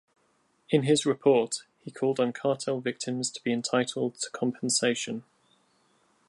In his report, he called on cartel victims to be entitled to compensation.